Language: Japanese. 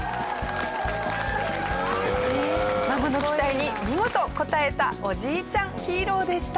孫の期待に見事応えたおじいちゃんヒーローでした。